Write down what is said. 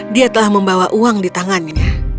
dia telah membawa uang di tangannya